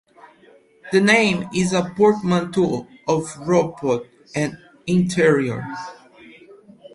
The name is a portmanteau of robot and interior.